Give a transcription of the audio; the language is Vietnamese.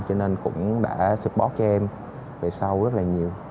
cho nên cũng đã support cho em về sau rất là nhiều